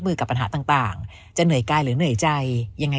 กับปัญหาต่างจะเหนื่อยกายหรือเหนื่อยใจยังไง